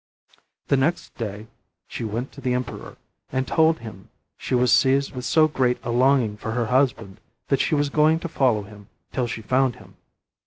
The next day she went to the emperor and told him she was seized with so great a longing for her husband that she was going to follow him till she found him.